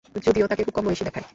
যদিও ওকে খুব কম বয়সী দেখায়।